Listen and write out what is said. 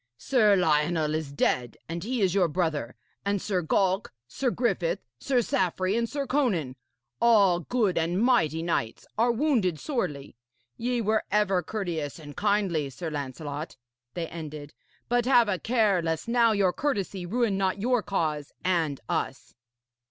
Sir Lionel is dead, and he is your brother; and Sir Galk, Sir Griffith, Sir Saffre and Sir Conan all good and mighty knights are wounded sorely. Ye were ever courteous and kindly, Sir Lancelot,' they ended, 'but have a care lest now your courtesy ruin not your cause and us.'